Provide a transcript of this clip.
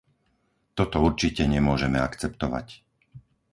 Toto určite nemôžeme akceptovať.